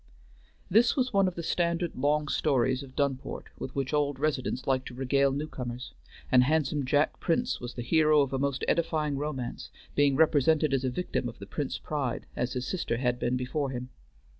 This was one of the standard long stories of Dunport with which old residents liked to regale newcomers, and handsome Jack Prince was the hero of a most edifying romance, being represented as a victim of the Prince pride, as his sister had been before him.